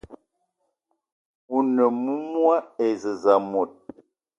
One moumoua e zez mot